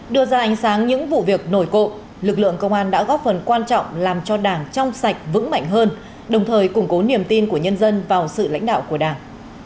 đưa ra ánh sáng những vụ việc nổi cộ lực lượng công an đã góp phần quan trọng làm cho đảng trong sạch vững mạnh hơn đồng thời củng cố niềm tin của nhân dân vào sự lãnh đạo của đảng